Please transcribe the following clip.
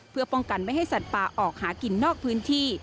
เพื่อป้องกันไม่ให้สัตว์ป่าออกหากินนอกพื้นที่